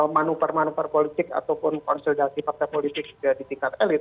manupar manupar politik ataupun konsultasi partai politik sudah di tingkat elit